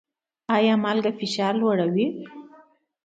ایا مالګه فشار لوړوي؟